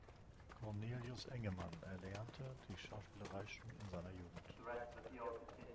Cornelius Engemann erlernte die Schauspielerei schon in seiner Jugend.